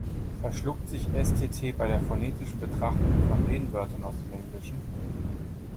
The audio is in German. "Verschluckt" sich S-T-T bei der phonetischen Betrachtung von Lehnwörtern aus dem Englischen?